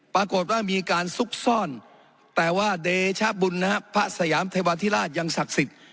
ปรากฏว่ามีการซุกซ่อนแต่ว่าเดชบุญนะฮะพระสยามเทวาธิราชยังศักดิ์สิทธิ์